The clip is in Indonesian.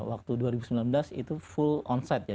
waktu dua ribu sembilan belas itu full onset ya